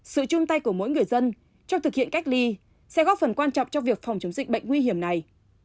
sự chung tay của mỗi người dân trong thực hiện cách ly sẽ góp phần quan trọng trong việc phòng chống dịch bệnh nguy hiểm này